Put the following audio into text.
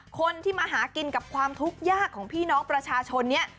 คนที่มาหากินกับความทุกข์ยากของพี่น้องประชาชนนี้